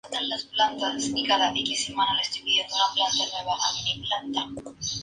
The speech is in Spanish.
El mosto se denomina así por su sabor dulce.